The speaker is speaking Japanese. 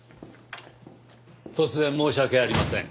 突然申し訳ありません。